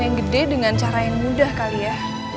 yang gede dengan cara yang mudah kali ya